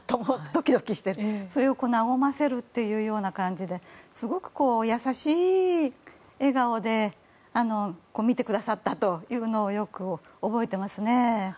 ドキドキして、それを和ませるというような感じですごく優しい笑顔で見てくださったというのをよく覚えていますね。